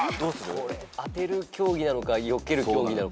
これ当てる競技なのかよける競技なのか。